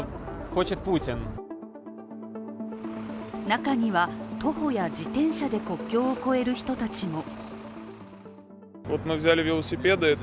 中には、徒歩や自転車で国境を越える人たちも。